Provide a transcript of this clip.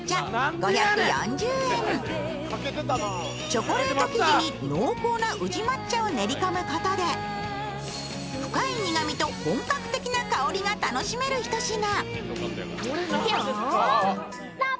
チョコレート生地に濃厚な宇治抹茶を練り込むことで深い苦味と本格的な香りが楽しめる一品。